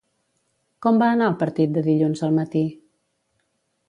Com va anar el partit de dilluns al matí?